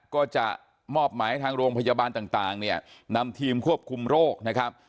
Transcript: ก็จะมอบหมายให้ทางโรงพยาบาลต่างเนี่ยนำทีมควบคุมโรคนะครับ